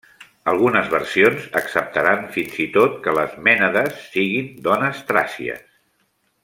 Algunes versions acceptaran fins i tot que les Mènades siguin dones tràcies.